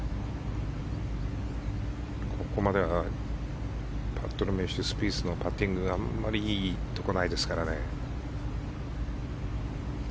ここまではパットの名手スピースのパッティングがあまりいいところないですからね。